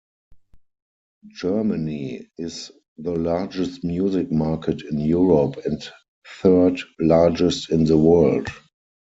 Germany is the largest music market in Europe, and third largest in the world.